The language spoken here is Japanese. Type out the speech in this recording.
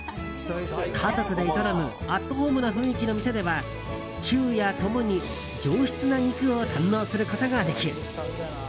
家族で営むアットホームな雰囲気の店では昼夜共に上質な肉を堪能することができる。